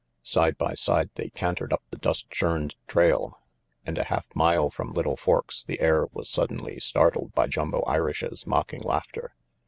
Side by side they cantered up the dust churned trail, and a half mile from Little Forks the air was suddenly startled by Jumbo Irish's mocking laughter.